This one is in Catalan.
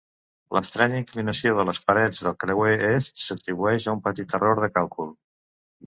L'estranya inclinació de les parets del creuer est, s'atribueix a un petit error de càlcul.